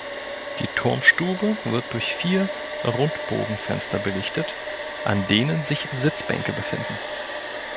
Die Turmstube wird durch vier Rundbogenfenster belichtet, an denen sich Sitzbänke befinden.